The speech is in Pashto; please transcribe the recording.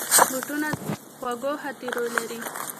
بوټونه د خوږو خاطرې لري.